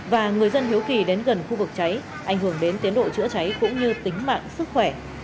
và người dân hiếu kỳ đến gần khu vực cháy ảnh hưởng đến tiến độ chữa cháy cũng như tính mạng sức khỏe